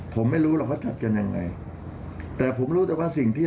ผมไม่รู้เราก็จัดจันยังไงแต่ผมรู้จัยว่าสิ่งที่